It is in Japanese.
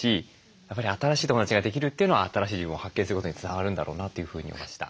やっぱり新しい友だちができるというのは新しい自分を発見することにつながるんだろうなというふうに思いました。